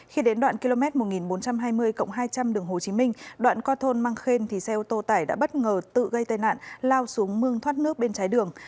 khi đến đoạn km một nghìn bốn trăm hai mươi hai trăm linh đường hồ chí minh đoạn qua thôn măng khên thì xe ô tô tải đã bất ngờ tự gây tai nạn lao xuống mương thoát nước bên trái đường